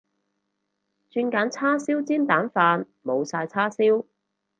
轉揀叉燒煎蛋飯，冇晒叉燒